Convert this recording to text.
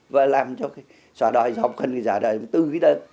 và làm cho giả đoại dọc hơn giả đoại tư cái đất